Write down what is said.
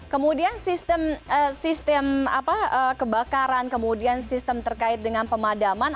kemudian sistem kebakaran kemudian sistem terkait dengan pemadaman